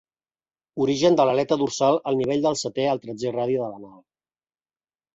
Origen de l'aleta dorsal al nivell del setè al tretzè radi de l'anal.